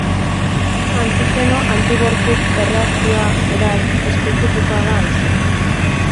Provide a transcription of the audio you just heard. Antigeno-antigorputz erreakzioa, beraz, espezifikoa da oso.